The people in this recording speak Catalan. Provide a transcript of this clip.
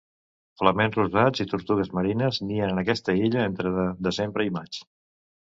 Flamencs rosats i tortugues marines nien en aquesta illa entre desembre i maig.